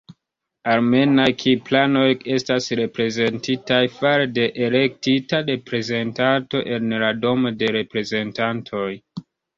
Armenaj-kipranoj estas reprezentitaj fare de elektita reprezentanto en la Domo de Reprezentantoj.